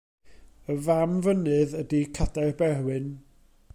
Y fam fynydd ydy Cadair Berwyn.